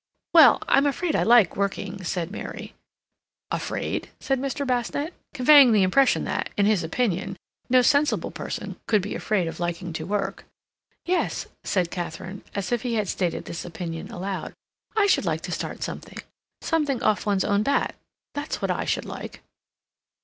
"Well, I'm afraid I like working," said Mary. "Afraid," said Mr. Basnett, conveying the impression that, in his opinion, no sensible person could be afraid of liking to work. "Yes," said Katharine, as if he had stated this opinion aloud. "I should like to start something—something off one's own bat—that's what I should like."